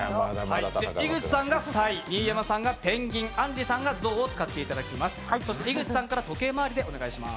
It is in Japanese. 井口さんがサイ、新山さんがペンギン、あんりさんがゾウでお願いします。